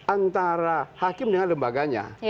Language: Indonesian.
antara hakim dengan lembaganya